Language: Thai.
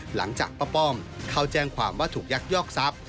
หลังจากป้าป้อมเข้าแจ้งความว่าถูกยักยอกทรัพย์